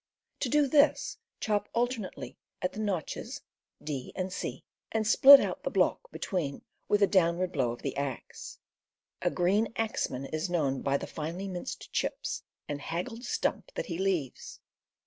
To do this, chop alternately at the notches d and c, and split out the block between with a downward blow of the axe. A green axeman is known by the finely minced chips and haggled stump that he leaves.